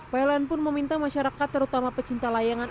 pln pun meminta masyarakat terutama pecinta layangan